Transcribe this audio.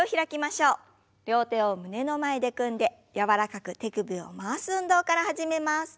両手を胸の前で組んで柔らかく手首を回す運動から始めます。